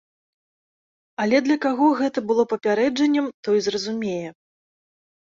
Але для каго гэта было папярэджаннем, той зразумее.